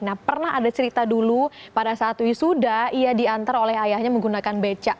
nah pernah ada cerita dulu pada saat wisuda ia diantar oleh ayahnya menggunakan beca